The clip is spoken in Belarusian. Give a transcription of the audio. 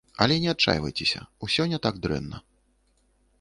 Але не адчайвайцеся, усё не так дрэнна!